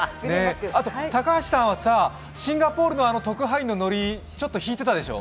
高橋さんはシンガポールの特派員のノリ、ちょっと引いてたでしょ。